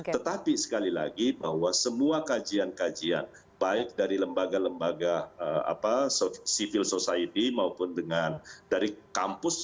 tetapi sekali lagi bahwa semua kajian kajian baik dari lembaga lembaga civil society maupun dengan dari kampus